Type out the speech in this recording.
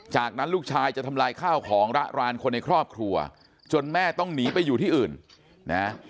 จากนั้นลูกชายจะทำลายข้าวของระรานคนในครอบครัวจนแม่ต้องหนีไปอยู่ที่อื่นนะ